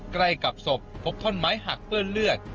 ใกล้กับศพพบท่อนไม้หักเปื้อนเลือด